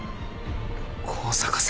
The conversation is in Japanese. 向坂さん。